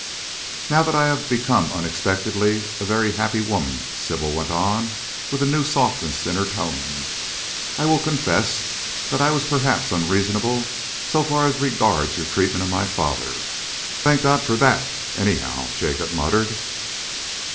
"Now that I have become unexpectedly a very happy woman," Sybil went on, with a new softness in her tone, "I will confess that I was perhaps unreasonable so far as regards your treatment of my father." "Thank God for that, anyhow!" Jacob muttered.